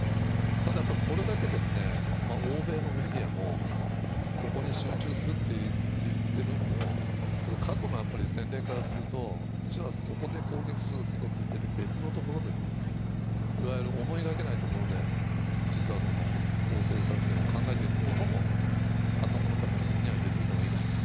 ただ、これだけ欧米のメディアもここに集中すると言ってるのも過去の戦略からするとそこで攻撃するぞと言っていて別のところでいわゆる思いがけないところで実は攻勢作戦を考えていることも頭の片隅には入れておいたほうがいいかなと。